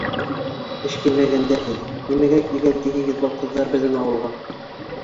Эшкинмәгәндәр һеҙ, нимәгә килгән тиһегеҙ был ҡыҙҙар беҙҙең ауылға?